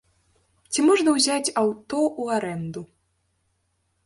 Ці можна ўзяць аўто ў арэнду?